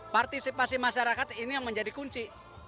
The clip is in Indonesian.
partisipasi masyarakat ini yang menjadi kunci